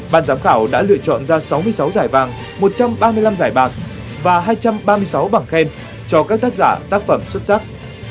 ban giám khảo đã lựa chọn ra sáu mươi sáu giải vàng một trăm ba mươi năm giải bạc và hai trăm ba mươi sáu bằng khen cho các tác giả tác phẩm xuất sắc